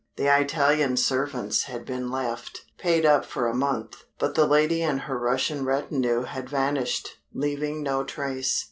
The Italian servants had been left, paid up for a month, but the lady and her Russian retinue had vanished, leaving no trace.